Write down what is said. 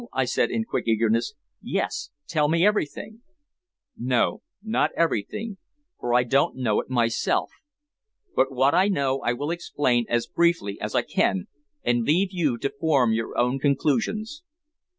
I said in quick eagerness. "Yes, tell me everything." "No, not everything, for I don't know it myself. But what I know I will explain as briefly as I can, and leave you to form your own conclusions.